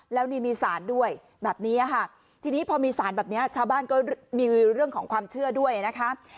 แล้วนี่มีสารด้วยแบบนี้ค่ะทีนี้พอมีสารแบบนี้ชาวบ้านก็มีเรื่องของความเชื่อด้วยนะคะ